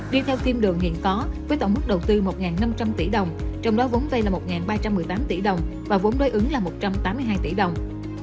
đi theo tim đường hiện có với tổng mức đầu tư một năm trăm linh tỷ đồng trong đó vốn bay một ba trăm một mươi tám tỷ đồng vốn đối ứng một trăm tám mươi hai tỷ đồng